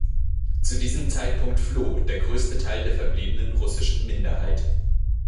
Zu diesem Zeitpunkt floh der größte Teil der verbliebenen russischen Minderheit.